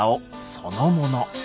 そのもの。